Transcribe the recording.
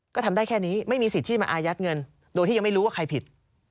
ก็ทำได้แค่นี้ไม่มีสิทธิ์ที่มาอายัดเงินโดยที่ยังไม่รู้ว่าใครผิด